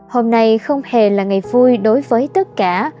hôm nay không hề là ngày vui đối với tất cả